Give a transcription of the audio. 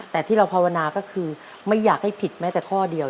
แต่ที่เราภาวนาก็คือไม่อยากให้ผิดแม้แต่ข้อเดียว